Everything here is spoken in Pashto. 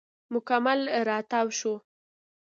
مکمل راتاو شو.